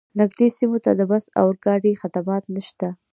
نږدې سیمو ته د بس او اورګاډي خدمات نشته